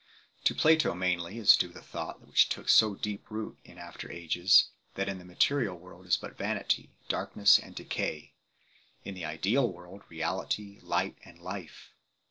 To Plato mainly is due the thought which took so deep root in afj^;r ages, that in the material world is but vanity, darkness, and decay; in the ideal world, reality, light, and lije.